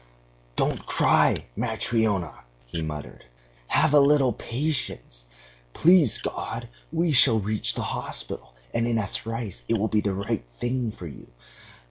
"Don't cry, Matryona,..." he muttered. "Have a little patience. Please God we shall reach the hospital, and in a trice it will be the right thing for you....